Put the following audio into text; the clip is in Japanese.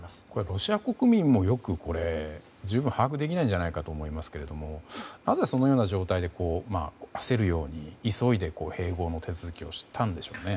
ロシア国民も十分把握できないんじゃないかと思いますけどなぜ、そのような状態で焦るように急いで、併合の手続きをしたんでしょうね。